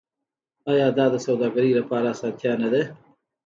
آیا دا د سوداګرۍ لپاره اسانتیا نه ده؟